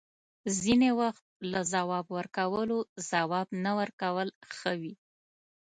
ځینې وخت له جواب ورکولو، جواب نه ورکول ښه وي